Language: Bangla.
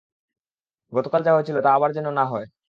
গতকাল যা হয়েছিল, তা আবার যেন না হয়।